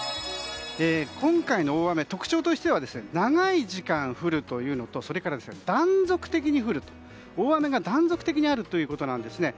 今回の大雨特徴としては長い時間降るというのとそれから断続的に大雨があるということです。